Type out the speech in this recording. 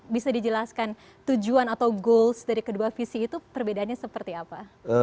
bisa dijelaskan tujuan atau goals dari kedua visi itu perbedaannya seperti apa